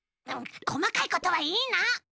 こまかいことはいいの！